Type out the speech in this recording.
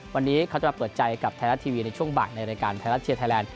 วันนี้เขาจะมาเปิดใจกับไทยรัฐทีวีในช่วงบ่ายในรายการไทยรัฐเชียร์ไทยแลนด